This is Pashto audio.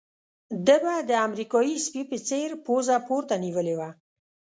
ده به د امریکایي سپي په څېر پوزه پورته نيولې وه.